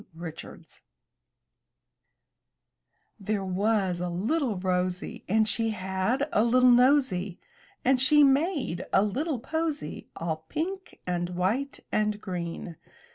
Richards There was a little Rosy, And she had a little nosy, And she made a little posy. All pink and white and green.